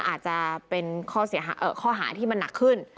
อาจจะเป็นข้อหาที่มันหนักขึ้น